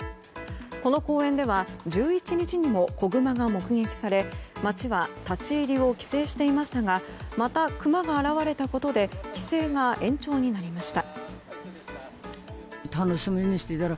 この公園では１１日にも子グマが目撃され町は立ち入りを規制していましたがまた、クマが現れたことで規制が延長になりました。